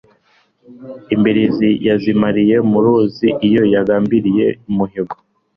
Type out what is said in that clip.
Imbirizi yazimaze mu ruzi iyo yagambiriye umuhigo